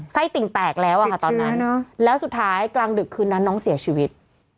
ติ่งแตกแล้วอะค่ะตอนนั้นแล้วสุดท้ายกลางดึกคืนนั้นน้องเสียชีวิต